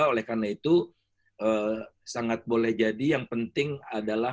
oleh karena itu sangat boleh jadi yang penting adalah